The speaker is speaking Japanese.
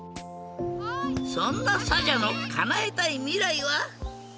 そんなサジャのかなえたいみらいは？